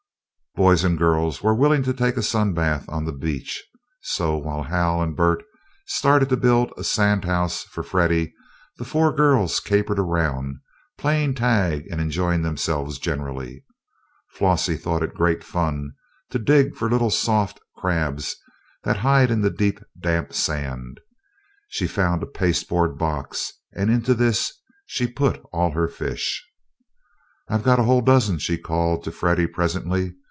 Boys and girls were willing to take a sun bath on the beach, so, while Hal and Bert started in to build a sand house for Freddie, the four girls capered around, playing tag and enjoying themselves generally. Flossie thought it great fun to dig for the little soft crabs that hide in the deep damp sand. She found a pasteboard box and into this she put all her fish. "I've got a whole dozen!" she called to Freddie, presently.